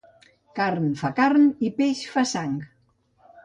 Carn fa carn i peix fa sang.